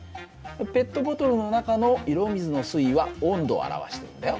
ペットボトルの中の色水の水位は温度を表してるんだよ。